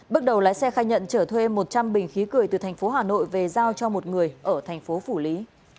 bước đầu lái xe khai nhận trở thuê một trăm linh bình khí cười từ thành phố hà nội về giao cho một người ở thành phố phủ lý